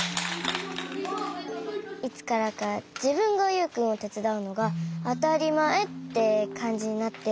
いつからかじぶんがユウくんをてつだうのがあたりまえってかんじになって。